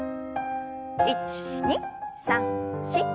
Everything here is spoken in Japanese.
１２３４。